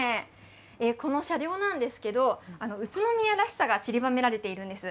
この車両なんですけど、宇都宮らしさがちりばめられているんです。